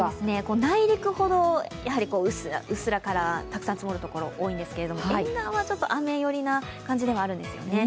内陸ほどうっすらからたくさん積もるところあるんですけど沿岸はちょっと雨寄りな感じではあるんですよね。